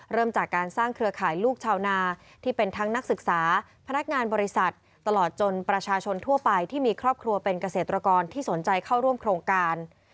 เริ่มจากการสร้างเครือข่ายลูกชาวนาที่เป็นทั้งนักศึกษาพนักงานบริษัทตลอดจนประชาชนทั่วไปที่มีครอบครัวเป็นเกษตรกรที่สนใจเข้าร่วมโครงการ